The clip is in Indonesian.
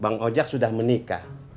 bang oja sudah menikah